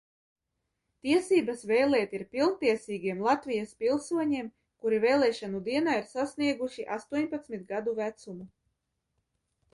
Tiesības vēlēt ir pilntiesīgiem Latvijas pilsoņiem, kuri vēlēšanu dienā ir sasnieguši astoņpadsmit gadu vecumu.